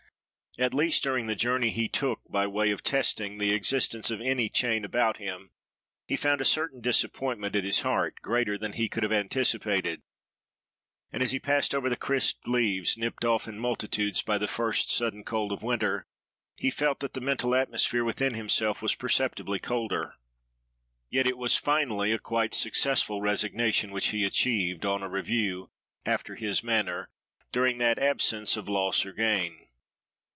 At least, during the journey he took, by way of testing the existence of any chain about him, he found a certain disappointment at his heart, greater than he could have anticipated; and as he passed over the crisp leaves, nipped off in multitudes by the first sudden cold of winter, he felt that the mental atmosphere within himself was perceptibly colder. Yet it was, finally, a quite successful resignation which he achieved, on a review, after his manner, during that absence, of loss or gain.